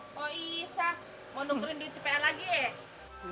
eh kok isa mau nukerin duit cpn lagi ye